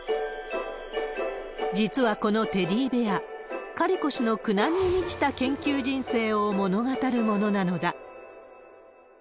実はこのテディベア、カリコ氏の苦難に満ちた研究人生を物語るものなのだ。